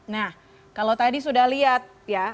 nah kalau tadi sudah lihat ya